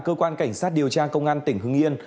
cơ quan cảnh sát điều tra công an tỉnh hưng yên